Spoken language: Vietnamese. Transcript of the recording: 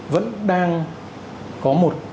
vẫn đang có một